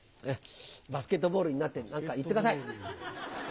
バスケットボールになって、なんか言ってください。